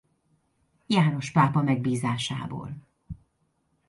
János pápa megbízásából.